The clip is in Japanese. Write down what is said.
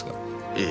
ええ。